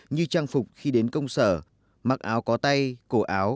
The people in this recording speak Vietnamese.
như trang phục khi đến công sở mặc áo có tay cổ áo